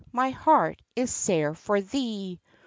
my heart is sair for thee!